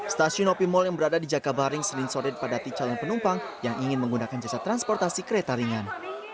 stasiun op mall yang berada di jakabaring senin sore dipadati calon penumpang yang ingin menggunakan jasa transportasi kereta ringan